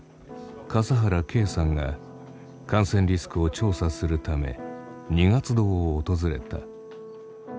笠原敬さんが感染リスクを調査するため二月堂を訪れた。